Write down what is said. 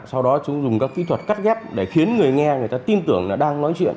sau đó chúng dùng các kỹ thuật cắt ghép để khiến người nghe người ta tin tưởng là đang nói chuyện